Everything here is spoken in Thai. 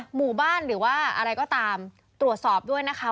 หมู่บ้านหรือว่าอะไรก็ตามตรวจสอบด้วยนะคะ